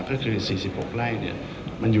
ก็คือ๔๖ไร่เนี่ย